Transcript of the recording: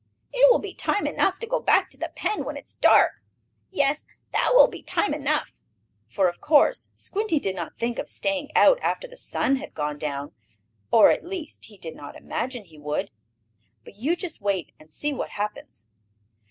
It will be time enough to go back to the pen when it is dark. Yes, that will be time enough," for of course Squinty did not think of staying out after the sun had gone down. Or, at least, he did not imagine he would. But you just wait and see what happens.